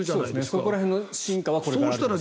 そこら辺の進化はこれから。